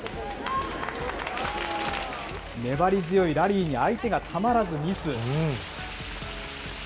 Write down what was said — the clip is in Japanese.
粘り強いラリーに相手がたまらずミス。